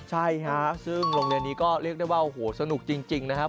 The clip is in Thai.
ใช่ฮะซึ่งโรงเรียนนี้ก็เรียกได้ว่าโอ้โหสนุกจริงนะครับ